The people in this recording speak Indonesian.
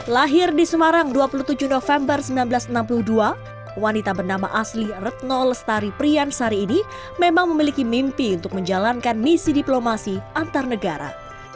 lahir di semarang dua puluh tujuh november seribu sembilan ratus enam puluh dua wanita bernama asli retno lestari priyansari ini memang memiliki mimpi untuk menjalankan misi diplomasi antar negara